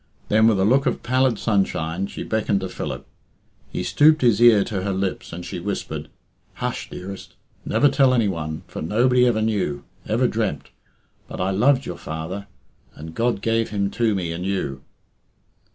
Then, with a look of pallid sunshine, she beckoned to Philip. He stooped his ear to her lips, and she whispered, "Hush, dearest! Never tell any one, for nobody ever knew ever dreamt but I loved your father and _God gave him to me in you.